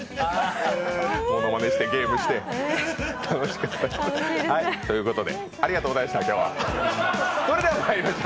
ものまねしてゲームして。ということで、ありがとうございました。